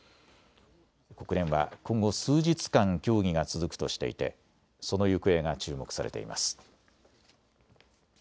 国連は今後数日間、協議が続くとしていてその行方が注目されています。